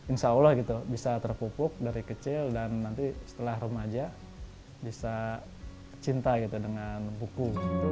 insya allah gitu bisa terpupuk dari kecil dan nanti setelah remaja bisa cinta gitu dengan buku